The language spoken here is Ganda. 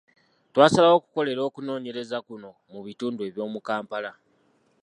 Twasalawo okukolera okunoonyereza kuno mu bitundu eby’omu Kampala.